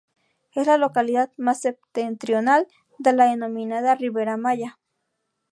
Es la localidad más septentrional de la denominada Ribera Maya.